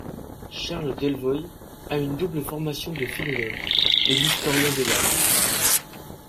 Charles Delvoye a une double formation de philologue et d'historien de l'art.